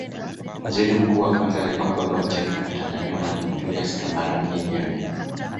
Waziri Mkuu wa Kwanza alikuwa Baba wa Taifa la Tanzania mwalimu Julius Kambarage Nyerere